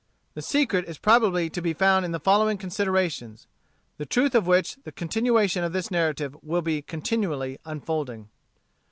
The secret is probably to be found in the following considerations, the truth of which the continuation of this narrative will be continually unfolding."